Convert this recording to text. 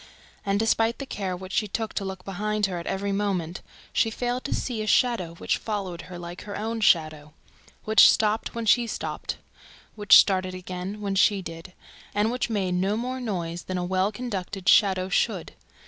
And, despite the care which she took to look behind her at every moment, she failed to see a shadow which followed her like her own shadow, which stopped when she stopped, which started again when she did and which made no more noise than a well conducted shadow should.